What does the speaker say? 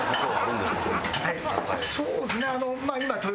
そうですねあの。